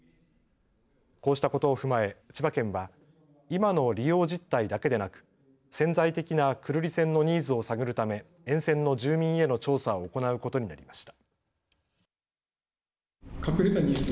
こうしたことを踏まえ、千葉県は今の利用実態だけでなく潜在的な久留里線のニーズを探るため沿線の住民への調査を行うことになりました。